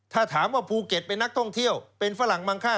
ถ้าถามว่าภูเก็ตเป็นนักท่องเที่ยวเป็นฝรั่งมังค่า